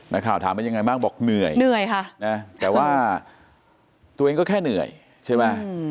นักข่าวถามเป็นยังไงบ้างบอกเหนื่อยเหนื่อยค่ะนะแต่ว่าตัวเองก็แค่เหนื่อยใช่ไหม